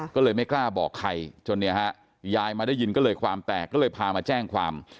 ก็เลยไม่กล้าบอกใครจนเนี่ยฮะยายมาได้ยินก็เลยความแตกก็เลยพามาแจ้งความ